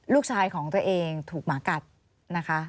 ลูกชายของตัวเองถูกหมากัดนะคะ